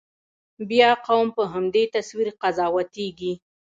بیا قوم په همدې تصویر قضاوتېږي.